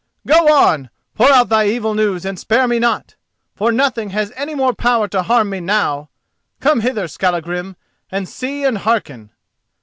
"Go on!—pour out thy evil news and spare me not!—for nothing has any more power to harm me now! Come hither, Skallagrim, and see and hearken."